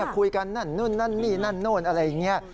คุยกันนั่นนี่นั่นอะไรอย่างนี้